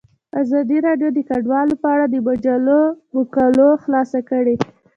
ازادي راډیو د کډوال په اړه د مجلو مقالو خلاصه کړې.